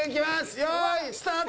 よーい、スタート！